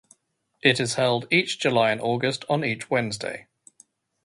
It is held each July and August on each Wednesday.